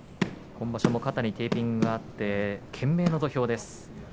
今場所は肩にテーピングがあって懸命の土俵です。